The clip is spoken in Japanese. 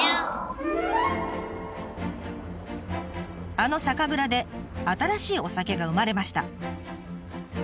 あの酒蔵で新しいお酒が生まれました。